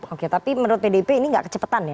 oke tapi menurut pdp ini tidak kecepatan ya